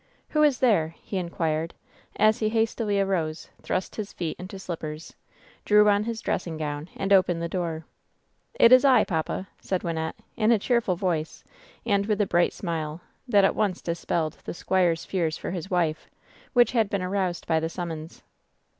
"Who is there?" he inquired, as he hastily arose, thrust his feet into slippers, drew on his dressing gown, and opened the door. "It is I, papa," said Wynnette, in a cheerful voice, and with a bright smile, that at once dispelled the squire's fears for his wife, which had been aroused* by the summons.